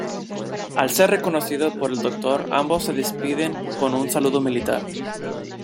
Al ser reconocido por el Doctor ambos se despiden con un saludo militar.